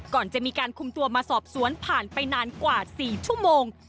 ก่อนจะมีการคุมตัวมาสอบสวนผ่านไปนานกว่า๔ชั่วโมง